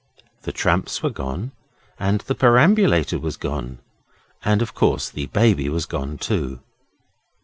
The tramps were gone, and the perambulator was gone, and, of course, the Baby was gone too.